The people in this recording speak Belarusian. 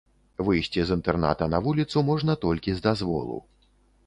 Выйсці з інтэрната на вуліцу можна толькі з дазволу.